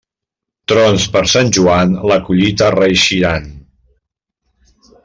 Trons per Sant Joan, la collita reeixiran.